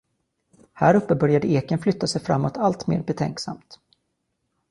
Häruppe började eken flytta sig framåt alltmer betänksamt.